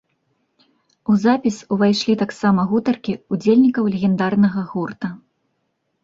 У запіс увайшлі таксама гутаркі ўдзельнікаў легендарнага гурта.